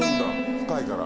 深いから。